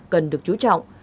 cần được chú trọng